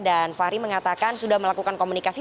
dan fahri mengatakan sudah melakukan komunikasi